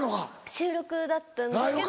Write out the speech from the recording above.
収録だったんですけど。